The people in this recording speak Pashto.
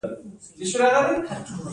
د لابراتوارونو ریجنټ له کومه راځي؟